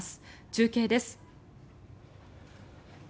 中継です。